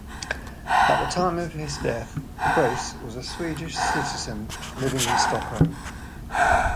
At the time of his death, Kreiss was a Swedish citizen, living in Stockholm.